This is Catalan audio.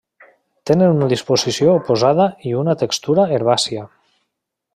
Tenen una disposició oposada i una textura herbàcia.